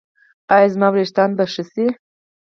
ایا زما ویښتان به ښه شي؟